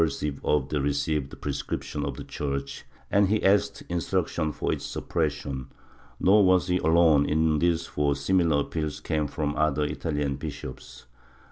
54 MYSTICISM [Book VIII sive of the received prescriptions of the Church, and he asked instructions for its suppression, nor was he alone in this for similar appeals came from other Italian bishops.